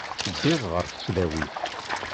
Ddiɣ ɣer tesdawit.